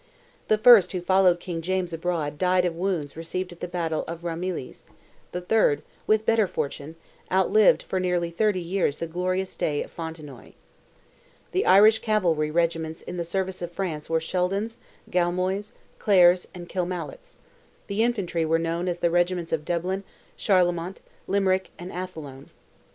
The first who followed King James abroad died of wounds received at the battle of Ramillies; the third, with better fortune, outlived for nearly thirty years the glorious day of Fontenoy. The Irish cavalry regiments in the service of France were Sheldon's, Galmoy's, Clare's, and Killmallock's; the infantry were known as the regiments of Dublin, Charlemont, Limerick, and Athlone.